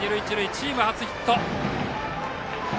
チーム初ヒット！